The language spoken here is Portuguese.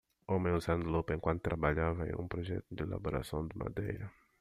Homem usando lupa enquanto trabalhava em um projeto de elaboração de madeira.